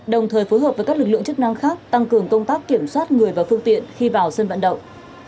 đồng thời phối hợp với các lực lượng chức năng khác tăng cường công tác kiểm soát người và phương tiện khi vào sân vận động